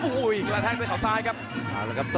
โอ้โหกระแทกด้วยเขาซ้ายครับ